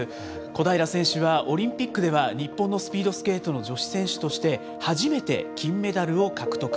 小平選手は、オリンピックでは、日本のスピードスケートの女子選手として、初めて金メダルを獲得。